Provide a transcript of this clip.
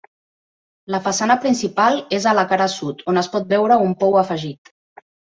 La façana principal és a la cara sud, on es pot veure un pou afegit.